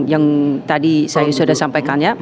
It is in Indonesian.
yang tadi saya sudah sampaikan ya